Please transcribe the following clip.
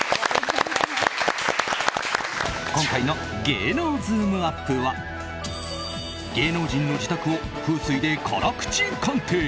今回の芸能ズームＵＰ！は芸能人の自宅を風水で辛口鑑定！